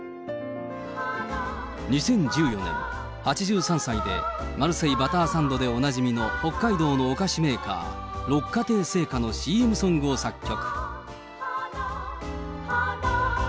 ２０１４年、８３歳でマルセイバターサンドでおなじみの北海道のお菓子メーカー、六花亭製菓のＣＭソングを作曲。